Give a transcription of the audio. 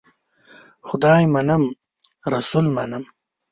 خدای منم ، رسول منم .